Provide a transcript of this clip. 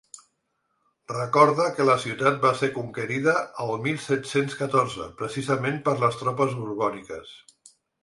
Recorda que la ciutat va ser conquerida el mil set-cents catorze, precisament per les tropes borbòniques.